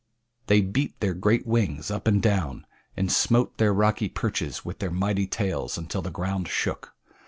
They beat their great wings up and down, and smote their rocky perches with their mighty tails until the ground shook.